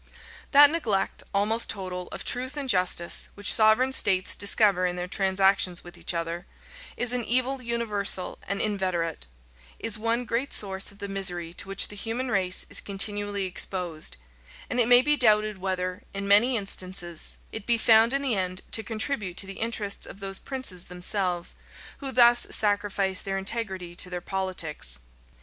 } That neglect, almost total, of truth and justice, which sovereign states discover in their transactions with each other, is an evil universal and inveterate; is one great source of the misery to which the human race is continually exposed; and it may be doubted whether, in many instances, it be found in the end to contribute to the interests of those princes themselves, who thus sacrifice their integrity to their politics.